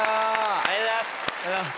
ありがとうございます！